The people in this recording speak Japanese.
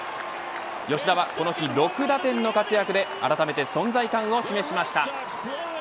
吉田はこの日６打点の活躍であらためて存在感を示しました。